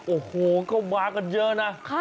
โอ้โหก็มากันเยอะนะ